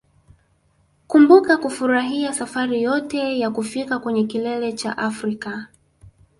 Kumbuka kufurahia safari yote ya kufika kwenye kilele cha Afrika